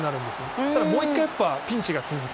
そうしたらもう１回ピンチが続く。